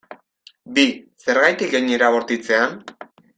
Bi, zergatik hain era bortitzean?